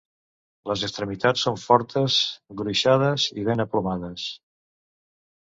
Les extremitats són fortes, gruixades i ben aplomades.